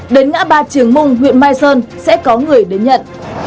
đến ngã ba trường mung huyện mai sơn sẽ có người đến nhận